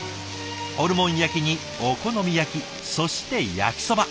ホルモン焼きにお好み焼きそして焼きそば。